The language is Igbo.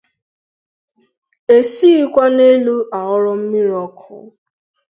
e sighịkwa n'elu aghọrọ mmiri ọkụ.